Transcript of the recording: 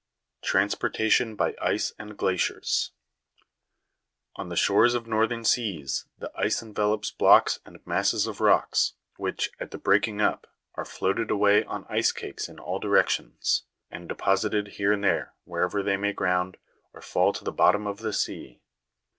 17. Transportation by ice and glaciers. On the shores of northern seas, the ice envelopes blocks and masses of rock, which, at the breaking up, are floated away on ice cakes in all directions, and deposited here and there, wherever they may ground, or fall to the bottom of the sea.